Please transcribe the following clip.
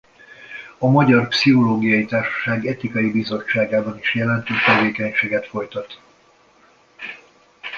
A Magyar Pszichológiai Társaság Etikai Bizottságában is jelentős tevékenységet folytat.